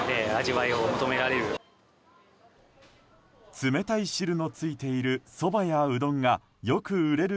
冷たい汁のついているそばや、うどんがよく売れる